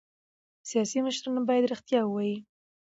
سیاسي مشران باید رښتیا ووايي